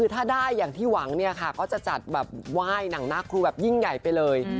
ถ้าได้อย่างที่หวังค่ะ้าจะจัดว่ายหนังนาครูยิ่งใหญ่ไปเลย